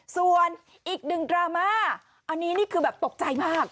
ส่วนอีกหนึ่งดราม่าอันนี้นี่คือแบบตกใจมาก